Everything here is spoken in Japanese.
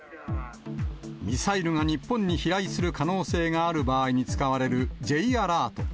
ミサイルが日本に飛来する可能性がある場合に使われるＪアラート。